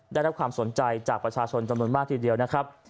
ได้รับความสนใจจากประชาชนจำนวนมากทีเดียวนะครับ